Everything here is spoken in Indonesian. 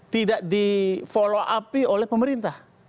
tidak di follow up oleh pemerintah